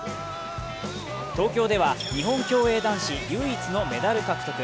東京では、日本競泳男子唯一のメダル獲得。